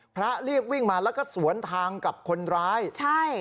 พระรีบวิ่งมาแล้วก็สวนทางกับคนร้ายใช่